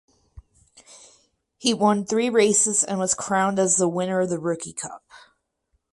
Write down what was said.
He won three races and was crowned as the winner of the rookie cup.